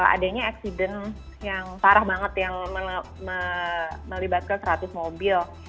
adanya eksiden yang parah banget yang melibatkan seratus mobil